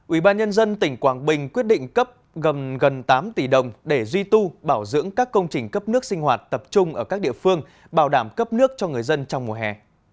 ubnd tỉnh quảng bình quyết định cấp gần tám tỷ đồng để duy tu bảo dưỡng các công trình cấp nước sinh hoạt tập trung ở các địa phương bảo đảm cấp nước cho người dân trong mùa hè